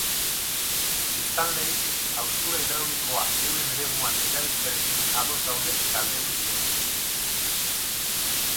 Biztanleei haustura hidraulikoa euren eremuan erabiltzearekin ados dauden galdetu diete.